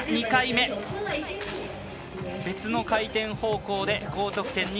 ２回目、別の回転方向で高得点。